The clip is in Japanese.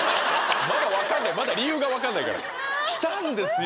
まだ分かんないまだ理由が分かんないから来たんですよ